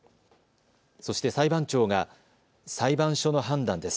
そして裁判長が裁判所の判断です。